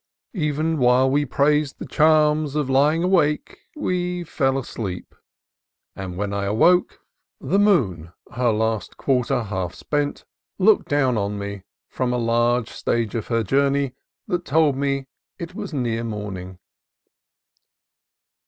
Even while we praised the charms of ly ing awake, we fell asleep, and when I awoke, the 50 CALIFORNIA COAST TRAILS moon, her last quarter half spent, looked down on me from a stage of her journey that told me it was near morning.